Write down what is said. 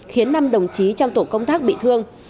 khiến năm đồng chí trong tổ công tác bị thương